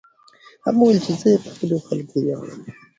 هغه وویل چې زه په خپلو خلکو ویاړم.